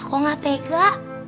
aku gak tega